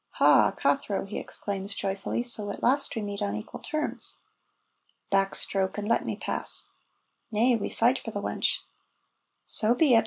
"Ha, Cathro," he exclaims joyfully, "so at last we meet on equal terms!" "Back, Stroke, and let me pass." "Nay, we fight for the wench." "So be it.